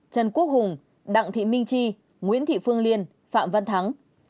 trần quốc hùng đặng thị minh tri nguyễn thị phương liên phạm văn thắng